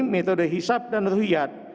metode hisap dan ruhiyat